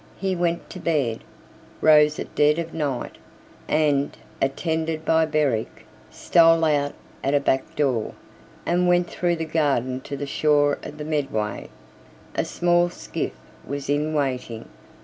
He went to bed, rose at dead of night, and, attended by Berwick, stole out at a back door, and went through the garden to the shore of the Medway. A small skiff was in waiting.